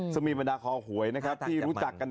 จะมีบรรดาคอหวยนะครับที่รู้จักกัน